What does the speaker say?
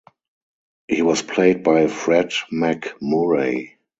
He was played by Fred MacMurray.